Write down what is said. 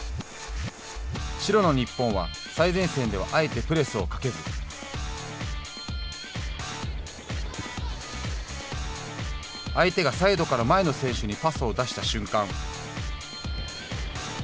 白の日本は最前線ではあえてプレスをかけず相手がサイドから前の選手にパスを出した瞬間。